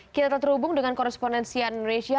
kita terhubung dengan korespondensian indonesia